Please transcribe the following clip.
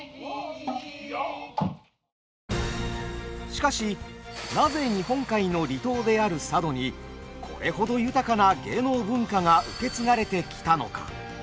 しかしなぜ日本海の離島である佐渡にこれほど豊かな芸能文化が受け継がれてきたのか。